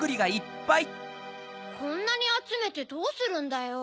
こんなにあつめてどうするんだよ。